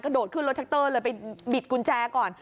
โดดขึ้นรถแท็กเตอร์เลยไปบิดกุญแจก่อน